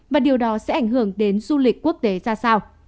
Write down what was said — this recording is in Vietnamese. và điều đó sẽ ảnh hưởng đến du lịch quốc tế ra sao